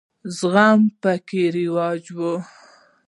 زغم پکې رواج وي.